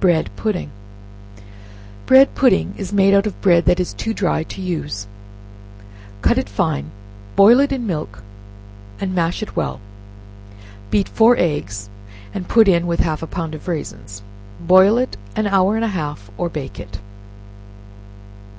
Bread Pudding. Bread pudding is made out of bread that is too dry to use; cut it fine, boil it in milk, and mash it well; beat four eggs and put in, with half a pound of raisins; boil it an hour and a half, or bake it.